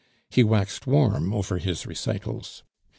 He waxed warm over his recitals.